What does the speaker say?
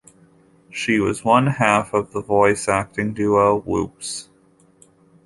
She was one half of the voice acting duo Whoops!!